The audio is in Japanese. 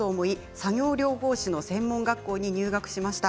作業療法士の専門学校に入学しました。